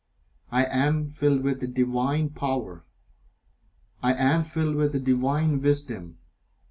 I am filled with Divine Power. I am filled with Divine Wisdom.